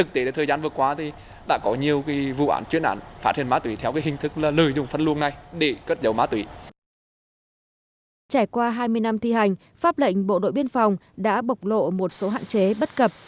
trải qua hai mươi năm thi hành pháp lệnh bộ đội biên phòng đã bộc lộ một số hạn chế bất cập